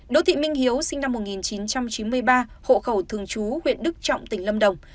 đỗ thị minh hiếu sinh năm một nghìn chín trăm chín mươi ba hộ khẩu thường chú huyện đức trọng tỉnh lâm đồng